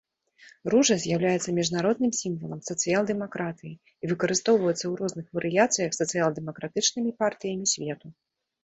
Ружа з'яўляецца міжнародным сімвалам сацыял-дэмакратыі і выкарыстоўваецца ў розных варыяцыях сацыял-дэмакратычнымі партыямі свету.